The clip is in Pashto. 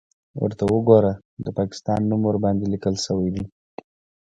_ورته وګوره! د پاکستان نوم ورباندې ليکل شوی دی.